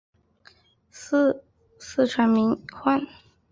祀四川名宦。